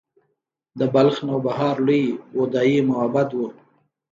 د بلخ نوبهار لوی بودايي معبد و